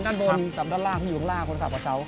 ด้านบนกับด้านล่างที่อยู่ข้างล่างคนขับกับเสา